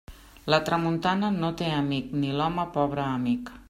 La tramuntana no té amic, ni l'home pobre amic.